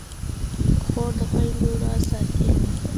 خور د خویندو راز ساتي.